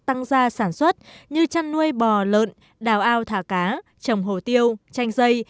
tăng gia sản xuất như chăn nuôi bò lợn đào ao thả cá trồng hồ tiêu chanh dây